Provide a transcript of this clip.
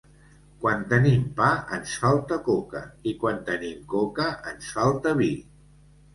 Quan tenim pa ens falta coca i quan tenim coca ens falta vi.